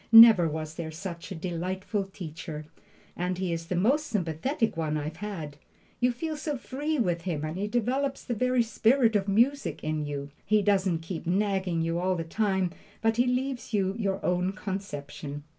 Never was there such a delightful teacher! and he is the most sympathetic one I've had. You feel so free with him, and he develops the very spirit of music in you. He doesn't keep nagging at you all the time, but he leaves you your own conception.